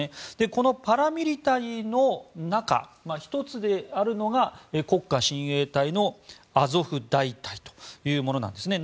このパラミリタリーの中の１つであるのが国家親衛隊のアゾフ大隊というものなんですね。